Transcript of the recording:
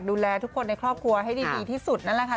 ดูแลทุกคนในครอบครัวให้ได้ดีที่สุดนั่นแหละค่ะ